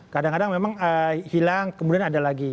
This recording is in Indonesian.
kadang kadang memang hilang kemudian ada lagi